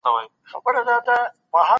د ژوند حق د هر چا لومړنی حق دی.